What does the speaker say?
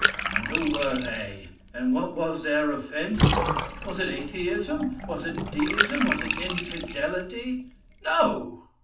And who were they? and what was their offence? Was it Atheism! was it Deism' was it Infidelity? No!